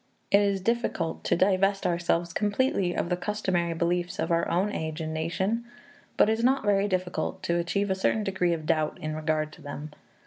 It is difficult to divest ourselves completely of the customary beliefs of our own age and nation, but it is not very difficult to achieve a certain degree of doubt in regard to them.